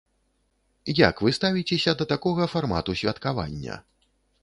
Як вы ставіцеся да такога фармату святкавання?